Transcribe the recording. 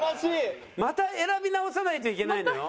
また選び直さないといけないのよ。